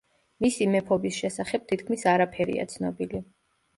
მისი მეფობის შესახებ თითქმის არაფერია ცნობილი.